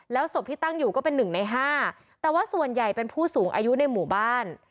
ศพที่ตั้งอยู่ก็เป็นหนึ่งในห้าแต่ว่าส่วนใหญ่เป็นผู้สูงอายุในหมู่บ้าน